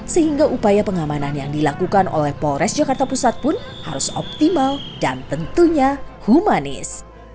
sehingga upaya pengamanan yang dilakukan oleh polres jakarta pusat pun harus optimal dan tentunya humanis